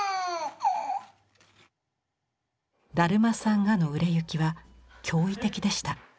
「だるまさんが」の売れ行きは驚異的でした。